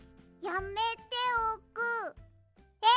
やめておく？え？